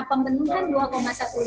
kita penuhi dengan konsumsi air putih